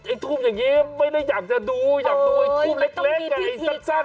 ไอ้ทุ่มอย่างนี้ไม่ได้อยากจะดูอยากดูไอ้ทุ่มเล็กไอ้สักมา